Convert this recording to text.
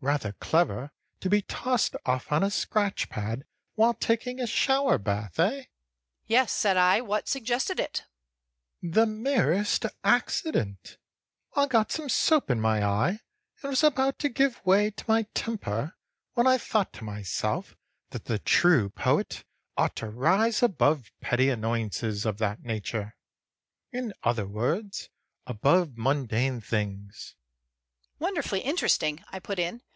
"Rather clever, to be tossed off on a scratch pad while taking a shower bath, eh?" "Yes," said I. "What suggested it?" "The merest accident. I got some soap in my eye and was about to give way to my temper, when I thought to myself that the true poet ought to rise above petty annoyances of that nature in other words, above mundane things." "Wonderfully interesting," I put in.